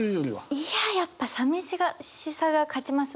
いややっぱさみしさが勝ちます。